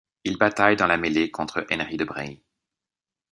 Il bataille dans la mêlée contre Henri de Briey.